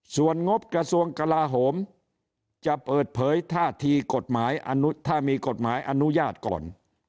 ส่วนงบกระทรวงกราโหมจะเปิดเผยถ้ามีกฎหมายอนุญาตก่อน